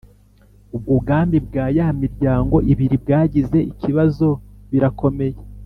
ubwo ubwami bwa ya miryango ibiri bwagize ikibazo birakomey